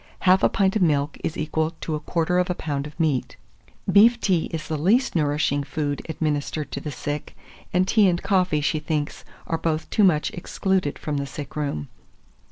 Half a pint of milk is equal to a quarter of a pound of meat. Beef tea is the least nourishing food administered to the sick; and tea and coffee, she thinks, are both too much excluded from the sick room.